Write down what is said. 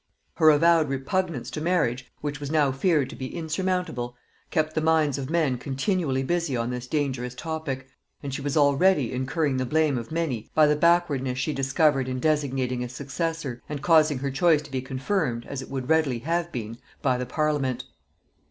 Her avowed repugnance to marriage, which was now feared to be insurmountable, kept the minds of men continually busy on this dangerous topic, and she was already incurring the blame of many by the backwardness which she discovered in designating a successor and causing her choice to be confirmed, as it would readily have been, by the parliament.